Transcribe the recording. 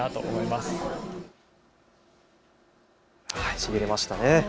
しびれましたね。